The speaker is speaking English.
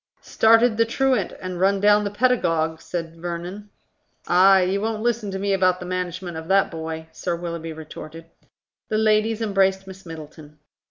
"Started the truant and run down the paedagogue," said Vernon. "Ay, you won't listen to me about the management of that boy," Sir Willoughby retorted. The ladies embraced Miss Middleton.